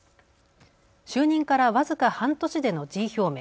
就任から僅か半年での辞意表明。